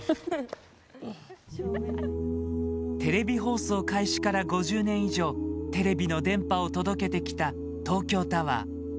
テレビ放送開始から５０年以上、テレビの電波を届けてきた東京タワー。